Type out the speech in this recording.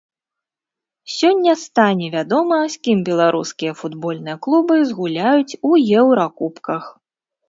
Сёння стане вядома, з кім беларускія футбольныя клубы згуляюць у еўракубках.